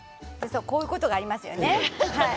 こういうことがありますよね。